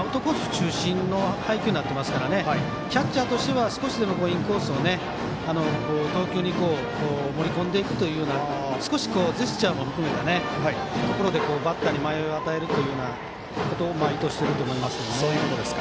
中心の配球になっていますからキャッチャーとしては少しでもインコースを投球に盛り込んでいくというジェスチャーも含めてバッターに迷いを与えることを意図していると思います。